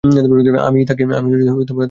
আমিই তাকে পাঠিয়েছিলুম।